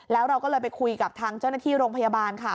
แล้วเราก็เลยไปคุยกับทางเจ้าหน้าที่โรงพยาบาลค่ะ